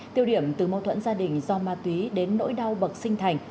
tiêu điểm từ mâu thuẫn gia đình do ma túy đến nỗi đau bậc sinh thành